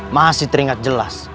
masih teringat jelas